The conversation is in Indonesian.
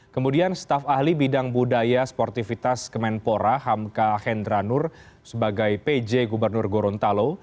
kemudian staf ahli bidang budaya sportivitas kemenpora hamka hendra nur sebagai pj gubernur gorontalo